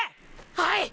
はい！！